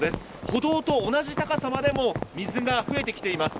歩道と同じ高さまでも水があふれてきています。